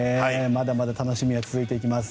まだまだ楽しみは続いていきます。